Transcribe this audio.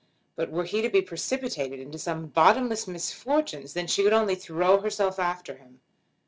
But were he to be precipitated into some bottomless misfortunes then she could only throw herself after him.